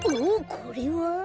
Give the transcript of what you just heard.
これは。